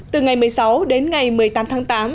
từ ngày một mươi sáu đến ngày một mươi tám tháng tám